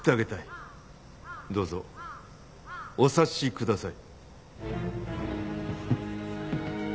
どうぞお察しください。